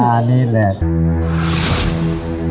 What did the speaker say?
อ่านี่แหละ